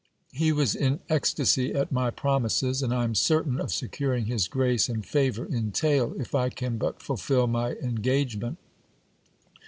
He was in ecstasy at my promises ; and I am certain of securing his grace and favour in tail, if I can but fulfil my engagement.